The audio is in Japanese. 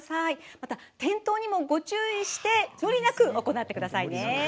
また転倒にもご注意して無理なく行ってくださいね。